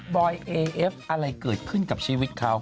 อยเอเอฟอะไรเกิดขึ้นกับชีวิตเขา